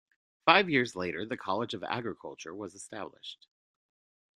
Five years later the College of Agriculture was established.